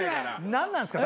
何なんすか？